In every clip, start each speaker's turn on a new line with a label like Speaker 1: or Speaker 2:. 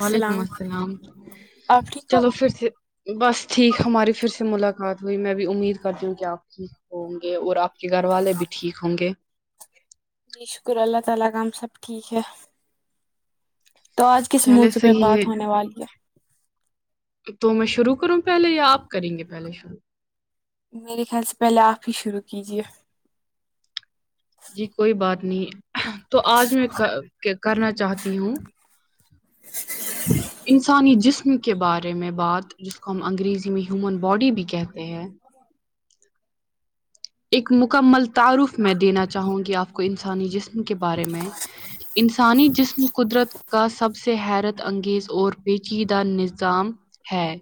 Speaker 1: وعلیکم السلام
Speaker 2: آپ ٹھیک ہو
Speaker 1: چلو پھر سے بس ٹھیک ہماری پھر سے ملاقات ہوئی میں بھی امید کرتی ہوں کہ آپ ھیک ہوں گے اور آپ کے گھر والے بھی ٹھیک ہوں گے
Speaker 2: جی شکر اللہ تعالی کاہم سب ٹھیک ہے تو آج کس
Speaker 1: چلے
Speaker 2: موضوع پہ
Speaker 1: صحیح ہے
Speaker 2: بات ہونے والی
Speaker 1: تو میں شروع کروں پہلے یا آپ کریں گے پہلے شروع
Speaker 2: میرے خیال سے پہلے آپ ہی شروع کیجیے
Speaker 1: جی کوئی بات نہیں تو آج میں کا کرنا چاہتی ہوں
Speaker 2: [unintelligible]
Speaker 1: انسانی جسم کے بارے میں بات جس کو ہم انگریزی میں ہیومن باڈی بھی کہتے ہیں ایک مکمل تعارف میں دینا چاہوں گی آپ کو انسانی جسم کے بارے میں انسانی جسم قدرت کا سب سے حیرت انگیز اور پیچیدہ نظام ہے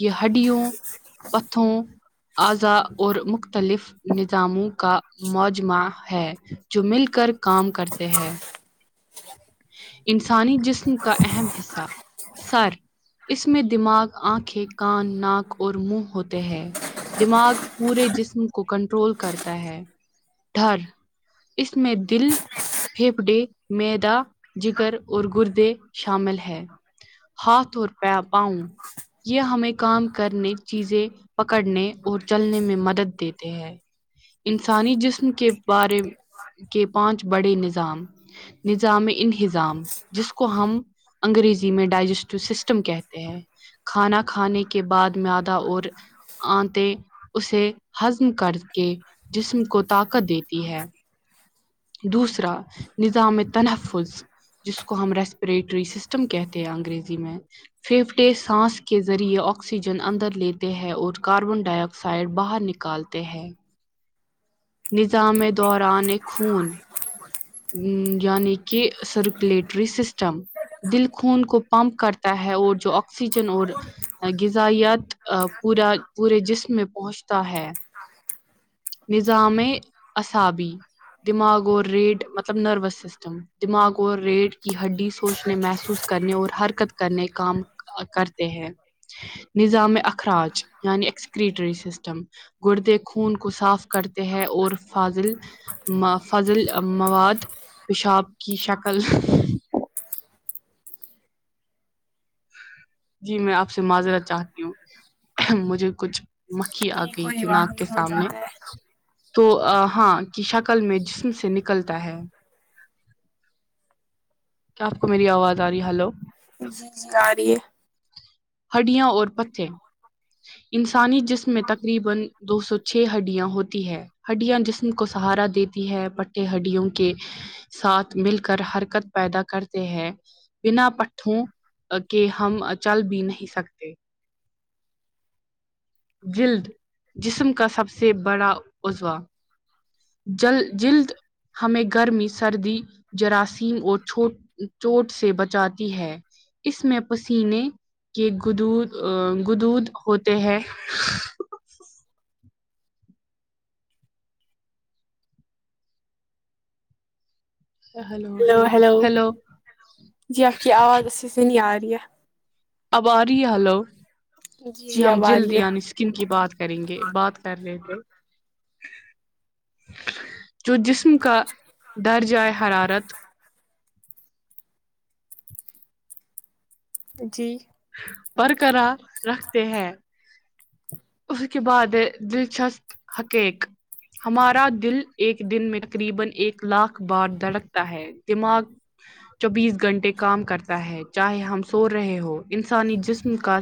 Speaker 1: یہ ہڈیوں پتھوں اعضا اور مختلف نظاموں کا مجمہ ہے جو مل کر کام کرتے ہیں انسانی جسم کا اہم حصہ سر اس میں دماغ آنکھیں کان ناک اور منہ ہوتے ہیں دماغ پورے جسم کو کنٹرول کرتا ہے ڈار اس میں دل پھیپڑے میدا جگر اور گردے شامل ہے ہاتھ اور پ پاؤں یہ ہمیں کام کرنے چیزیں پکڑنے اور چلنے میں مدد دیتے ہیں انسانی جسم کے بارے کے پانچ بڑے نظام نظام انہظام جس کو ہم انگریزی میں ڈائجسٹو سسٹم کہتے ہیں کھانا کھانے کے بعد میادہ اور آنتے اسے ہضم کر کے جسم کو طاقت دیتی ہے دوسرا نظام تنفظ جس کو ہم ریسپریٹری سسٹم کہتے ہیں انگریزی میں فیفٹے سانس کے ذریعے آکسیجن اندر لیتے ہیں اور کاربن ڈائی آکسائڈ باہر نکال تے ہیں نظام دوران ایک خون ہوں یعنی کہ سرکولیٹری سسٹم دل خون کو پمپ کرتا ہے اور جو آکسیجن اور غذائیات پورا پورے جسم میں پہنچتا ہے نظام اصابی دماغ اور ریڈ مطلب نروس سٹم دماغ اور ریڑ کی ہڈی سوچنے محسوس کرنے اور حرکت کرنے کام کرتے ہیں نظام اخراج یعنی ایکسکریٹری سسٹم گردے خون کو صاف کرتے ہیں اور فضل فضل مواد پیشاب کی شکل جی میں آپ سے معذرت چاہتی ہوں مجھے کچھ مکھی آ
Speaker 2: جی
Speaker 1: گئی
Speaker 2: کوئی
Speaker 1: تھی
Speaker 2: بات
Speaker 1: ناک کے
Speaker 2: نہیں ہو
Speaker 1: سامنے
Speaker 2: جاتا ہے
Speaker 1: تو ہاں کی شکل میں جسم سے نکلتی ہے کیا آپ کو میری آواز آ رہی ہے ہلو
Speaker 2: جی جی آ رہی ہے
Speaker 1: ہڈیاں اور پتیں انسانی جسم میں تقریبا دو سو چھ ہڈیاں ہوتی ہے ہڈیاں جسم کو سہارا دیتی ہے پٹھے ہڈیوں کے ساتھ مل کر حرکت پیدا کرتے ہیں بنا پٹھوں کے ہم کہ چل بھی نہیں سکتے جلد جسم کا سب سے بڑا ازو جل جلد ہمیں گرمی سردی جراثیم اور چھوٹ چوٹ سے بچاتی ہے اس میں پسینے کے گودود گودود ہوتے ہیں ہلو
Speaker 2: ہیلو ہلو جی آپ کی آواز اچاسے نہیں آ رہی ہے
Speaker 1: اب آ رہی ہے ہلو جی ہم
Speaker 2: اب آ
Speaker 1: جلد
Speaker 2: رہی
Speaker 1: یعنی
Speaker 2: ہے
Speaker 1: سک سکین کی بات کریں گے بات کر رہے تھے جو جسم کا درجے حرارت
Speaker 2: جی
Speaker 1: برقرار رکھتے ہیں اس کے بعد دلچسپ حقیق ہمارا دل ایک دن میں تقریبا ایک لاکھ بار دھڑکتا ہے دماغ چوبیس گھنٹے کام کرتا ہے چاہے ہم سو رہے ہو انسانی جسم پر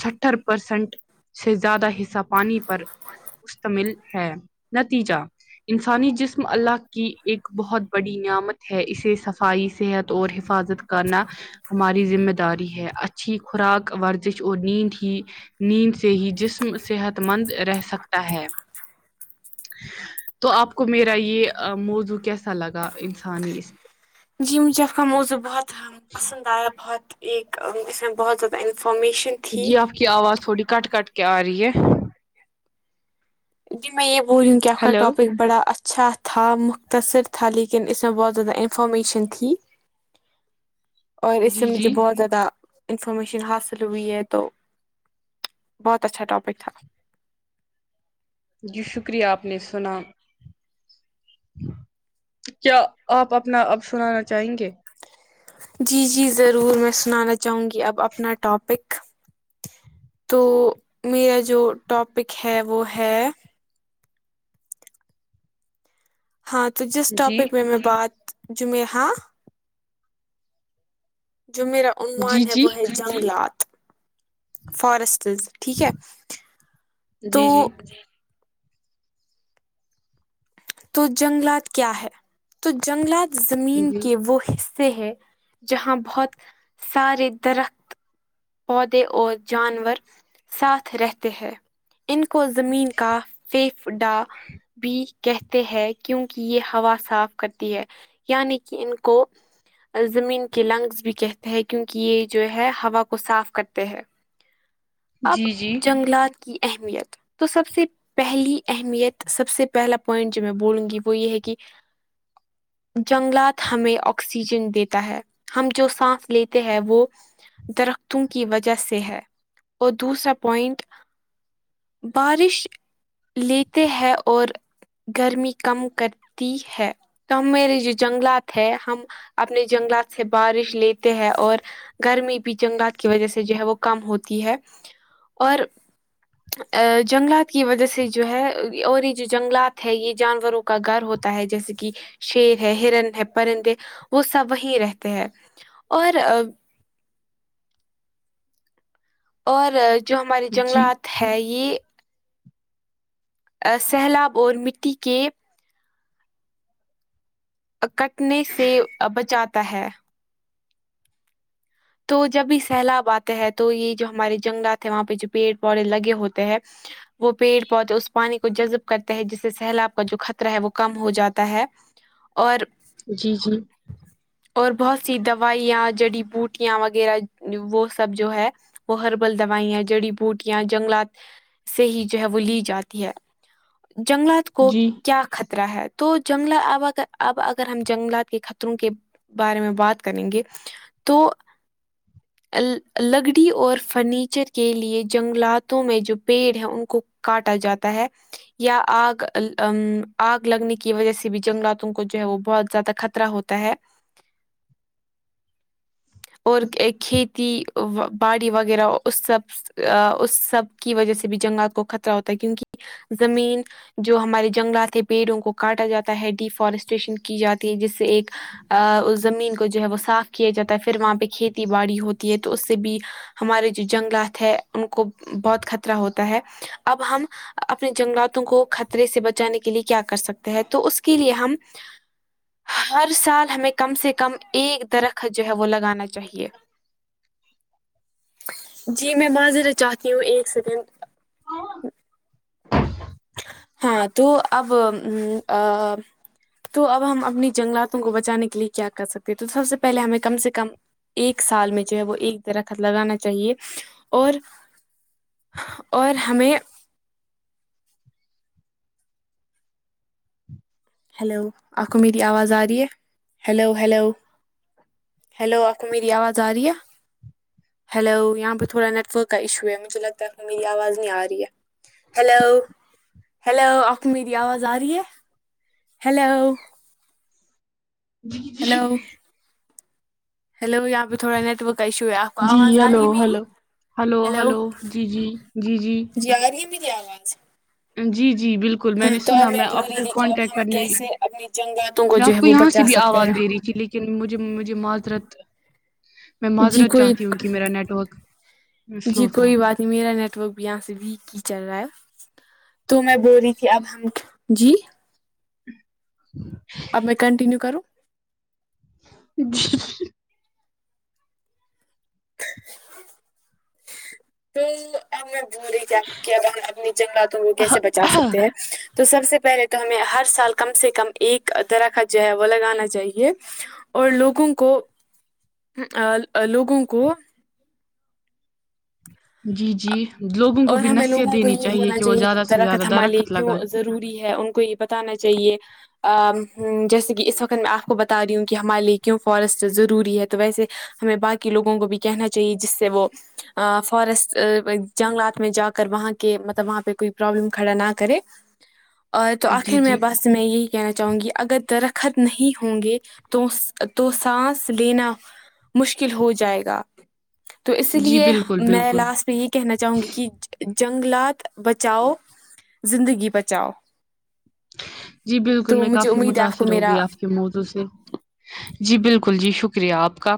Speaker 1: ستر پرسنٹ سے زیادہ حصہ پانی پر مشتمل ہے نتیجہ انسانی جسم اللہ کی ایک بہت بڑی نعمت ہے اسے صفائی صحت اور حفاظت کرنا ہماری ذمہ داری ہے اچھی خوراک ورزش اور نیند ہی نیند سے ہی جسم صحت مند رہ سکتا ہے تو آپ کو میرا یہ موضوع کیسا لگا انسانی اس
Speaker 2: جی مجھے اپ کا موضوع بہت پسند آیا بہت ایک اس میں بہت زیادہ انفارمیشن تھی
Speaker 1: جی آپ کی آواز تھوڑی کٹ کٹ کے آ رہی ہے
Speaker 2: جی میں یہ بولوں کیا کیا
Speaker 1: ہیلو
Speaker 2: ٹاپک بڑا ا اچھا تھا مختصر تھا لیکن اس میں بہت زیادہ انفارمیشن تھی اور اس سے
Speaker 1: جی
Speaker 2: مجھے
Speaker 1: جی
Speaker 2: بہت زیادہ انفارمیشن حاصل ہوئی ہے تو بہت اچھا ٹوپک تھا
Speaker 1: جی شکریہ آپ نے سنا کیا آپ اپنا اب سنانا چاہیں گے
Speaker 2: جی جی ضرور میں سنانا چاہوں گی اب اپنا ٹاپک تو میرا جو ٹاپک ہے وہ ہے ہاں تو جس
Speaker 1: جی
Speaker 2: ٹاپک میں میں بات جو میں ہاں جو میرا عنوان
Speaker 1: جی
Speaker 2: ہے
Speaker 1: جی
Speaker 2: وہ ہے جنگلات فارسٹز ٹھیک ہے تو
Speaker 1: جی جی
Speaker 2: تو جنگلات کیا ہے تو جنگلات زمین
Speaker 1: جی
Speaker 2: کے وہ حصے سے ہے جہاں بہت سارے درخت پودے اور جانور ساتھ رہتے ہیں ان کو زمین کا فھیفڈا بھی کہتے ہیں کیونکہ یہ ہوا صاف کرتی ہے یعنی کہ ان کو زمین کے لنگس بھی کہتے ہیں کیونکہ یہ جو ہے ہوا کو صاف کرتے ہے اب
Speaker 1: جی جی
Speaker 2: جنگلات کی اہمیت تو سب سے پہلی اہمیت سب سے پہلا پوائنٹ جو میں بولوں گی وہ یہ ہے کہ جنگلات ہمیں آکسیجن دیتا ہے ہم جو سانس لیتے ہیں وہ درختوں کی وجہ سے ہے اور دوسرا پوائنٹ بارش لیتے ہیں اور گرمی کم کرتی ہے تو ہمارے جو جنگلات ہے ہم اپنے جنگلات سے بارش لیتے ہیں اور گرمی بھی جنگلات کی وجہ سے جو ہے وہ کم ہوتی ہے اور آجنگلات کی وجہ سے جو ہے اور یہ جو جنگلات ہے یہ جانوروں کا گھر ہوتا تہے جیسے کہ شیر ہے ہرن ہے پرندے وہ سب وہیں رہتے ہیں اور اور جو ہمارے
Speaker 1: جی
Speaker 2: جنگلات ہے یہ سیلاب اور مٹی کے کٹنے سے بچاتا ہے تو جب یہ سیلاب آتے ہے تو یہ جو ہمارے جنگلات ہیں وہاں پہ جو پیڑ پودے لگے ہوتے ہیں وہ پیڑ پودے اس پانی کو کو جذب کرتا ہے جس سے سیلاب کا جو خطرہ ہے وہ کم ہو جاتا ہے اور
Speaker 1: جی جی
Speaker 2: اور بہت سی دوائیاں جڑی بوٹی بٹیاں وغیرہ وہ سب جو ہے وہ ہربل دوائیا جڑی بوٹیاں جنگلات سے ہی جو ہے وہ لی جاتی ہے جنگلات کو
Speaker 1: جی
Speaker 2: کیا خطرہ ہے تو جنگل اب اگر اب اگر ہم جنگلات کے خطروں کے بارے میں بات کریں گے تو لا لکڑی اور فرنیچر کے لیے جنگلاتوں میں جو پیڑ ہے ان کو کاٹا جاتا ہے یا آگ ام آگ لگنے کی وجہ سے بھی جنگلاتوں کو جو ہے وہ بہت زیادہ خطرہ ہوت تا ہے اور ایک کھیتی باڑی وغیرہ او اس سب اس سب کی وجہ سے بھی جنگلات کو خطرہ ہوتا ہے کیونکہ زمین جو ہمارے جنگلات پیڑوں کو کاٹا جاتا ہے ڈیفارسٹریشن کی جاتی ہے جس سے ایک آ اس زمین کو جو ہے وہ صاف کیا جاتا ہے پھر وہاں پہ کھیتی باڑی ہوتی ہے تو اس سے بھی ہمارے جو جنگلات ہے ان کو بہت خطرہ ہوتا ہے اب ہم اپنے جنگلاتوں کو خطرے سے بچانے کے لیے کیا کر سکتے ہیں تو اس کے لیے ہم ہر سال ہمیں کم سے کم ایک درخت جو ہے وہ لگانا چاہیے جی میں معذرت چاہتی ہوں ایک سیکنڈ ہاں تو اب ام آ تو اب ہم اپنی جنگلاتوں کو بچانے کے لیے کیا کر سکتے ہیں تو سب سے پہلے ہمیں کم سے کم ایک سال میں جو ہے وہ ایک درخت لگانا چاہیے اور اور ہمیں ہلو آپ کو میری آواز آ رہی ہے ہلو ہلو ہیلو آپ کو میری آواز آ رہی ہے ہیلو یہاں پہ تھوڑا نیٹ ورک کا ایشو ہے مجھے لگتا ہے کہ میری آواز نہیں آ رہی ہے ہلوو ہیلو آپ کو میری آواز آ رہی ہے ہیلو ہیلو
Speaker 1: جی
Speaker 2: ہلو یہاں پہ تھوڑا نیٹورک ایشو ہے آپ کو
Speaker 1: جی
Speaker 2: آواز آ
Speaker 1: ہلو
Speaker 2: رہی ہے میری
Speaker 1: ہلو ہلو
Speaker 2: ہیلو
Speaker 1: ہلو جی جی جی جی
Speaker 2: جی آرہی ہے میر کی آواز
Speaker 1: جی جی بل کل میں
Speaker 2: ہاں
Speaker 1: نے
Speaker 2: تو اب
Speaker 1: سنا میں
Speaker 2: بول
Speaker 1: آپ
Speaker 2: رہی
Speaker 1: کو
Speaker 2: تھی کہ اب
Speaker 1: کانٹیکٹ
Speaker 2: ہم
Speaker 1: کرنے
Speaker 2: کیسے اپنی جنگاتوں
Speaker 1: میں
Speaker 2: جو
Speaker 1: آپ
Speaker 2: ہے
Speaker 1: کو
Speaker 2: وہ
Speaker 1: یہاں سے
Speaker 2: بچا
Speaker 1: بھی
Speaker 2: سکتے
Speaker 1: آواز
Speaker 2: ہیں
Speaker 1: دے رہی تھی لیکن لیکن مجھے مجھے معذرت میں
Speaker 2: جی
Speaker 1: معزرت
Speaker 2: کوئی
Speaker 1: چاہتی ہوں کہ میرا نیٹ ورک
Speaker 2: جی
Speaker 1: سلو تھا
Speaker 2: کوئی بات میرا نیٹورک بھی یہاں سے یی وییک ہی چل رہا ہے تو میں بول رہی تھی اب ہم جی
Speaker 1: [inaudible]
Speaker 2: اب میں کنٹینیو کروں
Speaker 1: جی
Speaker 2: تو اب میں بولیں کیا کہ اب اپنی جنگلاتوں کو کیسے بچا سکتے ہیں تو سب سے پہلے تو ہمیں ہر سال کم سے کم ایک درخت جو ہے وہ لگانا چاہیے اور لوگوں کو ہ ا لوگوں کو
Speaker 1: جی جی لوگوں کو
Speaker 2: اور
Speaker 1: بھی
Speaker 2: ہمیں
Speaker 1: نصیحت
Speaker 2: لوگوں کو
Speaker 1: دینی
Speaker 2: یہ بولنا
Speaker 1: وہ
Speaker 2: چاہیے کہ
Speaker 1: زیادہ سے زیادہ
Speaker 2: درخت ہمارے کیوں
Speaker 1: لگائیں
Speaker 2: ضروری ہے ان کو یہ بتانا چاہیے آ ہ ام جیسے کہ اس وقت میں آپ کو بتا رہی ہوں کہ ہمارے لیے کیوں فورسٹ ضروری ہے تو ویسے ہمیں باقی لوگوں کو بھی کہنا چاہیے جس سے وہ اہ فورسٹ ای جنگلات میں جا کر وہاں کے مطلب وہاں پہ کوئی پرابلم کھڑا نہ کرے اور تو
Speaker 1: جی
Speaker 2: آخر میں
Speaker 1: جی
Speaker 2: بس میں یہی کہنا چاہوں گی اگر درخت نہیں ہوں گے تو تو سانس لینا مشکل ہو جائے گا تو اسی
Speaker 1: جی
Speaker 2: لیے
Speaker 1: بالکل
Speaker 2: میں
Speaker 1: بالکل
Speaker 2: لاسٹ پہ یہ کہنا چاہوں گی کہ جہ جنگلات بچاؤ زندگی بچاؤ
Speaker 1: جی بالکل
Speaker 2: تو
Speaker 1: میں
Speaker 2: مجھے
Speaker 1: کافی
Speaker 2: امید ہے آپ کو
Speaker 1: متاثر ہو
Speaker 2: میرا
Speaker 1: گئی آپ کے موضوع سے جی بالکل جی شکریہ آپ کا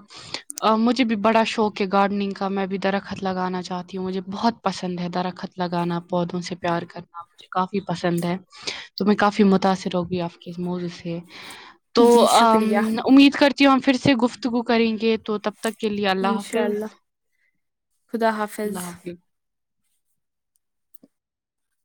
Speaker 1: مجھے بھی بڑا شوق ہے گارڈننگ کا میں بھی درخت لگانا چاہتی ہوں مجھے بہت پسند ہے درخت لگانا پودوں سے پیار کرنا مجھے کافی پسند ہے تو میں کافی متاثر ہوگی آپ کے اس موضوع سے تو
Speaker 2: جی شکریہ
Speaker 1: امید کرتی ہوں پھر سے گفتگو کریں گے تو تب تک کے لیے اللہ
Speaker 2: انشاء
Speaker 1: حافظ
Speaker 2: اللہ
Speaker 1: اللہ حافظ